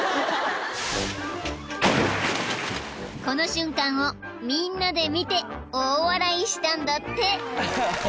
［この瞬間をみんなで見て大笑いしたんだって］